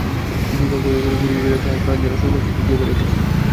বিভা ঘরে ঘরে ঘুরিয়া বেড়ায়, তাহার প্রাণ যেন সুরমাকে খুঁজিয়া বেড়াইতেছে।